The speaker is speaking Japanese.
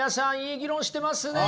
いい議論してますね。